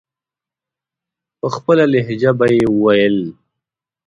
په خپله لهجه به یې ویل.